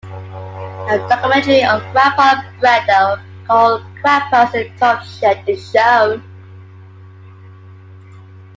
A documentary on "Grandpa Bredo", called "Grandpa's in the Tuff Shed", is shown.